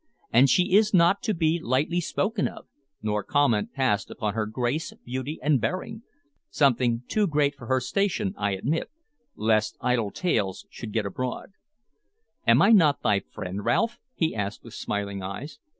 And she is not to be lightly spoken of, nor comment passed upon her grace, beauty, and bearing (something too great for her station, I admit), lest idle tales should get abroad." "Am I not thy friend, Ralph?" he asked with smiling eyes.